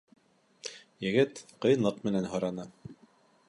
— Егет ҡыйынлыҡ менән һораны.